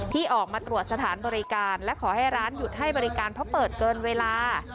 ที่ออกมาตรวจสถานบริการและขอให้ร้านหยุดให้บริการเพราะเปิดเกินเวลา